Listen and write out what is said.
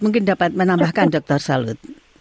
mungkin dapat menambahkan dr salut